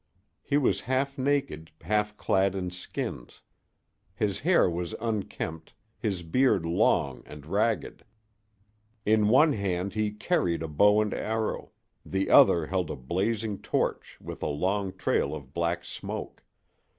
He was half naked, half clad in skins. His hair was unkempt, his beard long and ragged. In one hand he carried a bow and arrow; the other held a blazing torch with a long trail of black smoke.